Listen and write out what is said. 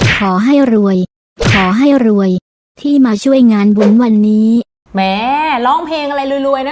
ขอให้รวยขอให้รวยที่มาช่วยงานบุญวันนี้แม้ร้องเพลงอะไรรวยรวยนะ